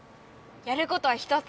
やることは１つ！